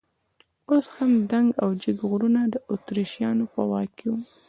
اوس هم دنګ او جګ غرونه د اتریشیانو په واک کې وو.